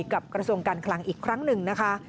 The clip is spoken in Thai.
กระทรวงการคลังอีกครั้งหนึ่งนะคะ